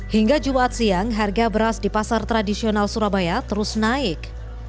hingga jumat siang harga beras di pasar tradisional surabaya terus naik